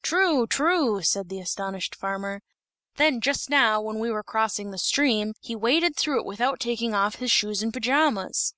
"True, true!" said the astonished farmer. "Then, just now, when we were crossing the stream, he waded through it without taking off his shoes and pajamas."